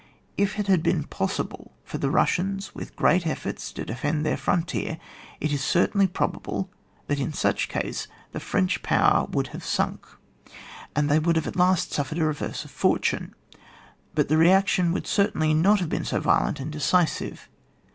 K it had been possible for the Hussians, with great efforts, to defend their frontier, it is certainly probable that in such case also the French power would have sunk, and that they would have at last suffered a reverse of fortune; but the reaction then would certainly not have been so violent and decisive.